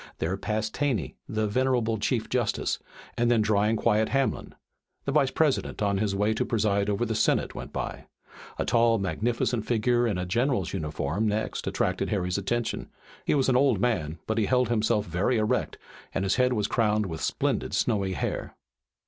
There passed Taney, the venerable Chief Justice, and then dry and quiet Hamlin, the Vice President, on his way to preside over the Senate, went by. A tall and magnificent figure in a general's uniform next attracted Harry's attention. He was an old man, but he held himself very erect and his head was crowned with splendid snowy hair.